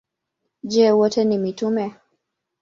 Je, wote ni mitume?